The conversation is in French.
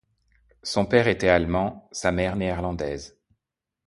Son père était allemand, sa mère néerlandaise.